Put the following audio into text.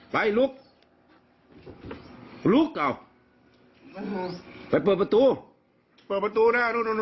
มึงเปิดแล้วเบอร์ลูก